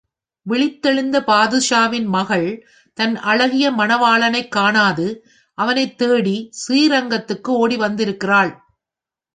விழித்தெழுந்த பாதுஷாவின் மகள் தன் அழகிய மணவாளனைக் காணாது, அவனைத் தேடி ஸ்ரீரங்கத்துக்கு ஓடி வந்திருக்கிறாள்.